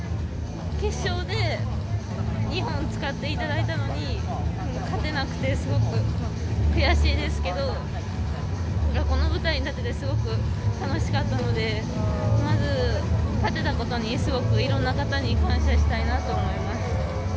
決勝で２本使っていただいたのに勝てなくてすごく悔しいですけどこの舞台に立ててすごく楽しかったのでまず立てたことに、すごくいろんな方に感謝したいなと思います。